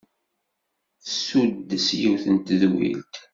Tessuddes yiwet n tedwilt.